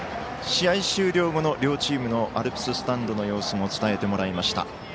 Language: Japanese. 試合終了後の両チームのアルプススタンドの様子も伝えてもらいました。